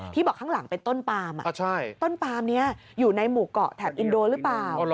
บอกข้างหลังเป็นต้นปามต้นปามนี้อยู่ในหมู่เกาะแถบอินโดหรือเปล่า